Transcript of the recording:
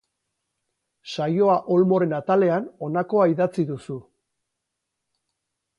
Saioa Olmoren atalean honakoa idatzi duzu.